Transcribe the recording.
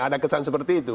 ada kesan seperti itu